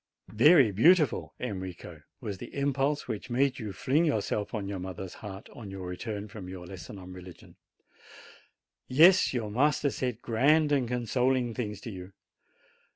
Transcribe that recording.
Very beautiful, Enrico, was the impulse which made you fling yourself on your mother's heart on your return from your lesson on religion. Yes, your master said grand and consoling things to you.